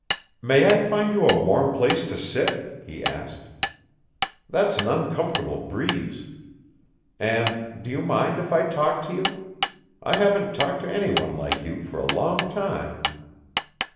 "May I find you a warm place to sit?" he asked. "That's an uncomfortable breeze. And do you mind if I talk to you? I haven't talked to any one like you for a long time."